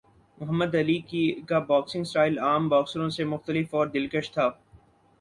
محمد Ali کا boxing style عام باکسروں سے مختلف اور دلکش تھا